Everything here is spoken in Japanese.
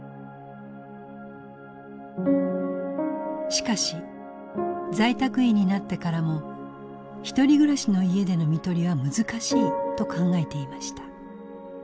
しかし在宅医になってからもひとり暮らしの家での看取りは難しいと考えていました。